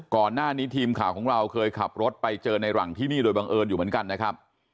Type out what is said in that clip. ก่อนหน้านี้ทีมข่าวของเราเคยขับรถไปเจอในหลังที่นี่โดยบังเอิญอยู่เหมือนกันนะครับ